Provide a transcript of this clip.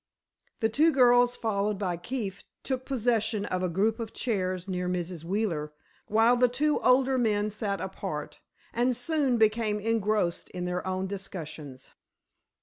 The two girls, followed by Keefe, took possession of a group of chairs near Mrs. Wheeler, while the two older men sat apart, and soon became engrossed in their own discussions.